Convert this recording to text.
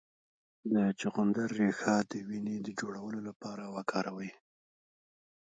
د چغندر ریښه د وینې د جوړولو لپاره وکاروئ